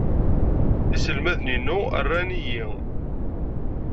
Iselmaden-inu ran-iyi.